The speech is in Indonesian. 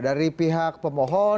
dari pihak pemohon